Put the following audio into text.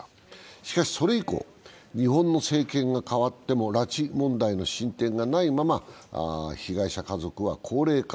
しかしそれ以降、日本の政権が変わっても拉致問題の進展がないまま被害者家族は高齢化。